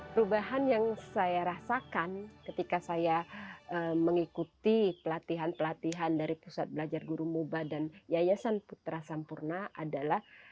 perubahan yang saya rasakan ketika saya mengikuti pelatihan pelatihan dari pusat belajar guru muba dan yayasan putra sampurna adalah